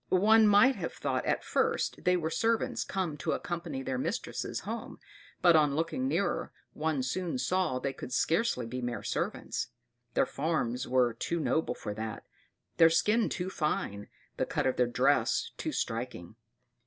One might have thought at first they were servants come to accompany their mistresses home; but on looking nearer, one soon saw they could scarcely be mere servants; their forms were too noble for that, their skin too fine, the cut of their dress too striking.